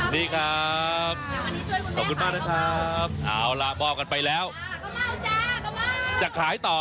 นี่ครับขอบคุณมากนะครับเอาละบอกกันไปแล้วอ่าข้าวเม่าจ้าข้าวเม่า